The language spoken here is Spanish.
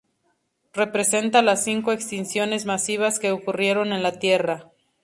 Representa las cinco extinciones masivas que ocurrieron en la Tierra.